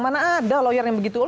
mana ada lawyer yang begitu